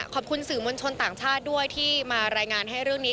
ขอบคุณสื่อมวลชนต่างชาติด้วยที่มารายงานให้เรื่องนี้